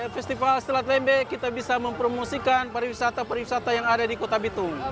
festival selat lembe kita bisa mempromosikan pariwisata pariwisata yang ada di kota bitung